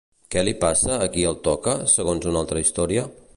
Què li passa a qui el toca, segons una altra història?